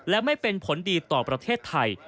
และไม่เป็นผลดีต่อประเทศไทย